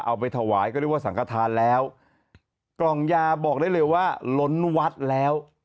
เอาไปถวายก็เรียกว่าสังกฐานแล้วกล่องยาบอกได้เลยว่าล้นวัดแล้ว